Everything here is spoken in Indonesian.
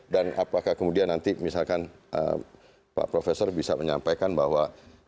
dan apakah kemudian nanti misalkan pak profesor bisa menyampaikan bahwa